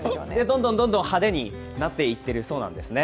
どんどん派手になっていってるそうなんですね。